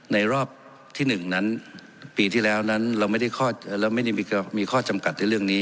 รอบที่๑นั้นปีที่แล้วนั้นเราไม่ได้มีข้อจำกัดในเรื่องนี้